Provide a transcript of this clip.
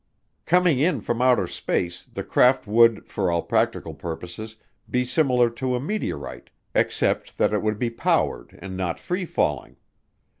Coming in from outer space, the craft would, for all practical purposes, be similar to a meteorite except that it would be powered and not free falling.